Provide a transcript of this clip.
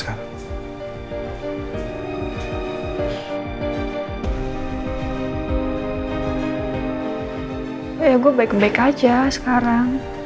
ya gue baik baik aja sekarang